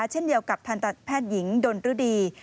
เช่นเดียวกับทันตแพทย์หญิงดนฤดี